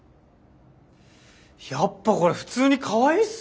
やっぱこれ普通にかわいいっすよね。